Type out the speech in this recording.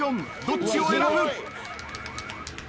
どっちを選ぶ？